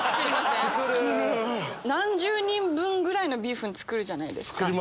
何十人分ぐらいのビーフン作るじゃないですか。